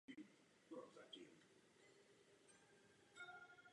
Zpočátku sbírala vzorky v nejbližším okolí svého bydliště na přilehlých horských svazích.